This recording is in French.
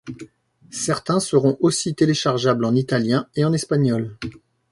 Certains seront aussi téléchargeables en italien et en espagnol.